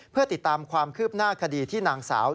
เพื่อติดตามความคืบหน้าคดีที่นางสาว